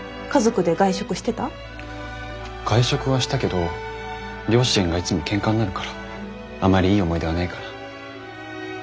外食はしたけど両親がいつもケンカになるからあまりいい思い出はないかな。